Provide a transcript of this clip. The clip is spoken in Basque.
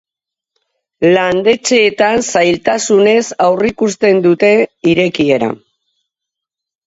Landetxeetan zailtasunez aurreikusten dute irekiera.